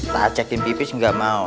tajakin pipis gak mau